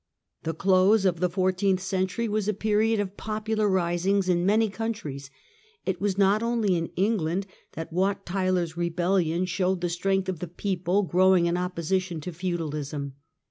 The close of the fourteenth century was a period of The Maiiio popular risings in many countries; it was not only in *'°^ England that Wat Tyler's Rebellion showed the strength of the people growing in opposition to feudalism.